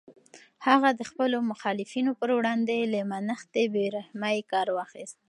هغه د خپلو مخالفینو پر وړاندې له منتهی بې رحمۍ کار واخیست.